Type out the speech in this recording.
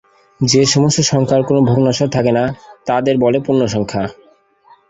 যেসমস্ত সংখ্যার কোন ভগ্নম্বরশ থাকে না তাদের বলে পূর্ণসংখ্যা।